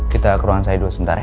kita ke ruangan saya dulu sebentar ya